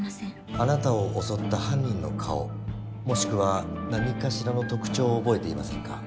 あなたを襲った犯人の顔もしくは何かしらの特徴を覚えていませんか？